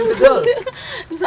ibu tahu aturan saya